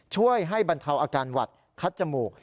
ช่วยให้บรรเทาอาการหวัดคัดจมูก